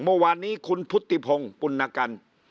เมื่อวานนี้คุณพุทธิพงศ์ปุณกัน